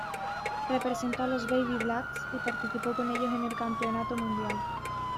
Representó a los Baby Blacks y participó con ellos en el Campeonato Mundial.